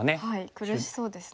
苦しそうですね。